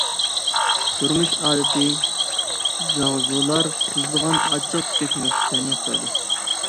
تۇرمۇش ئادىتى جۇاڭزۇلار تۇزلىغان ئاچچىق-چۈچۈك يېمەكلىكلەرنى ياقتۇرىدۇ.